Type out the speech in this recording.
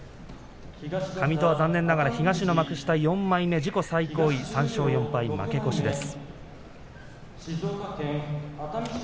上戸、残念ながら東の幕下４枚目で自己最高位ですが３勝４敗負け越しです。